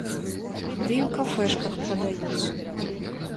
Ды і ў кафэшках прадаюць.